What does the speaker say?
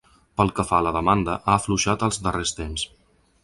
Pel que fa a la demanda, ha afluixat els darrers temps.